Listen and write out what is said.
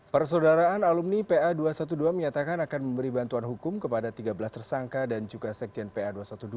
persaudaraan alumni pa dua ratus dua belas menyatakan akan memberi bantuan hukum kepada tiga belas tersangka dan juga sekjen pa dua ratus dua belas